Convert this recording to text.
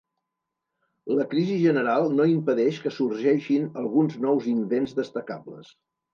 La crisi general no impedeix que sorgeixin alguns nous invents destacables.